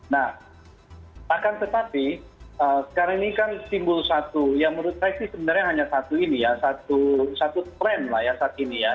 nah akan tetapi sekarang ini kan simbol satu yang menurut saya sih sebenarnya hanya satu ini ya satu tren lah ya saat ini ya